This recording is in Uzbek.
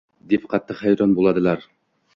deb qattiq hayron bo‘ladilar.